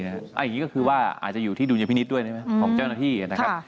อย่างนี้ก็คือว่าอาจจะอยู่ที่ดุลยพินิษฐ์ด้วยใช่ไหมของเจ้าหน้าที่นะครับ